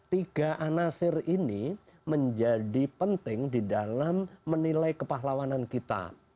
tiga anasir ini menjadi penting di dalam menilai kepahlawanan kita